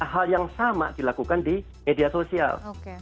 hal yang sama dilakukan di media sosial